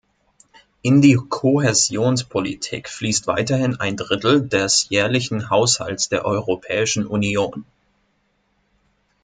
In die Kohäsionspolitik fließt weiterhin ein Drittel des jährlichen Haushalts der Europäischen Union.